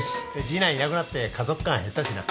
次男いなくなって家族感減ったしな。